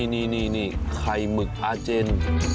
นี่ไข่หมึกอาเจน